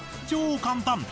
超簡単！